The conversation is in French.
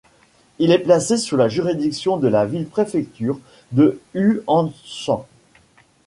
Il est placé sous la juridiction de la ville-préfecture de Huangshan.